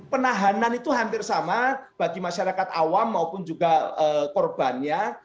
penahanan itu hampir sama bagi masyarakat awam maupun juga korbannya